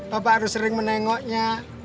bapak harus sering menengoknya